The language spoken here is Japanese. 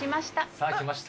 さあ、来ました。